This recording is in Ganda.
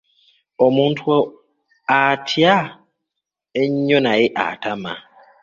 Omuntu atya ennyo naye atama.